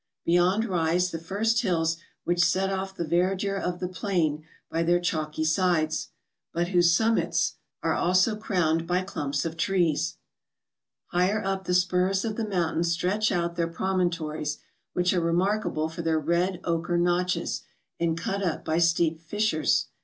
Beyond rise tlie first hills which set off the verdure of the plain by their chalky sides ; but whose summits are also crowned by clumps of trees. Higher up the spurs of the mountains stretch out their promontories, which are remarkable for their red ochre notches, and cut up by steep fissures.